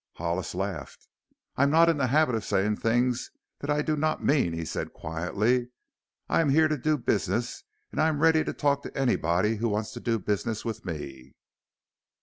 Hollis laughed. "I am not in the habit of saying things that I do not mean," he said quietly. "I am here to do business and I am ready to talk to anybody who wants to do business with me."